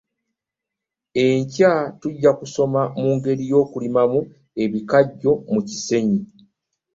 Enkya tujja kusoma ku ngeri y'okulimamu ebikajjo mu kisenyi.